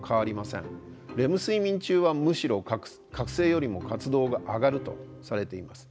レム睡眠中はむしろ覚醒よりも活動が上がるとされています。